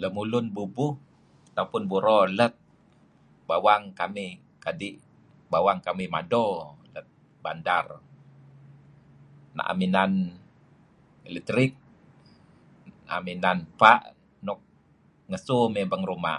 Lemulun bubuh atau buro lat bawang kamih kadi' bawang kamih mado lat bandar naem inan leterik, am inan fa' nuk ngesu may bang ruma'